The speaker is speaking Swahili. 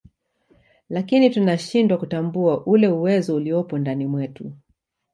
lakini tunashindwa kutambua ule uwezo uliopo ndani mwetu